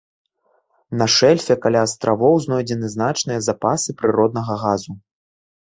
На шэльфе каля астравоў знойдзены значныя запасы прыроднага газу.